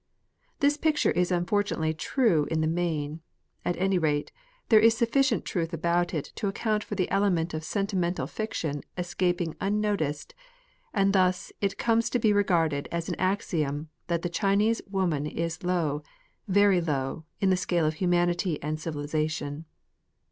This picture is unfortunately true in the main ; at any rate, there is sufficient truth about it to account for the element of sentimental fiction escaping unnoticed, and thus it comes to be regarded as an axiom that the Chinese woman is low, very low, in the scale of humanity and civilisation.